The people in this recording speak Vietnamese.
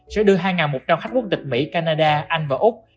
sẽ đưa hai một trăm linh khách quốc tịch mỹ canada anh và úc